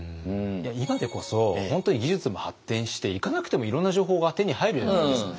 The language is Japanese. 今でこそ本当に技術も発展して行かなくてもいろんな情報が手に入るじゃないですか。